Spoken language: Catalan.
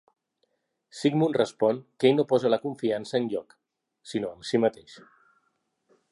Sigmund respon que ell no posa la seva confiança enlloc, sinó amb si mateix.